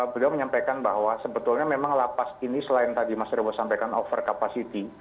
beliau menyampaikan bahwa sebetulnya memang lapas ini selain tadi mas rewo sampaikan over capacity